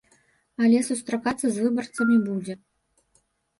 Але сустракацца з выбарцамі будзе.